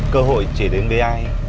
cơ hội chỉ đến với ai